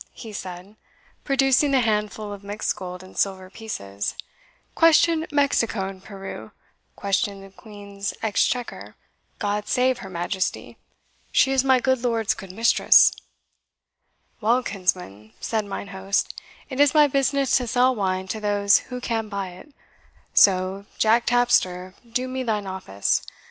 he said, producing a handful of mixed gold and silver pieces; "question Mexico and Peru question the Queen's exchequer God save her Majesty! she is my good Lord's good mistress." "Well, kinsman," said mine host, "it is my business to sell wine to those who can buy it so, Jack Tapster, do me thine office.